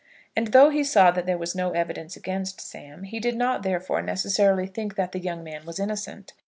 And though he saw that there was no evidence against Sam, he did not, therefore, necessarily think that the young man was innocent.